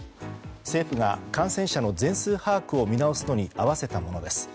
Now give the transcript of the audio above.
政府が感染者の全数把握を見直すのに合わせたものです。